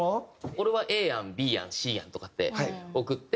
俺はＡ案Ｂ案Ｃ案とかって送って。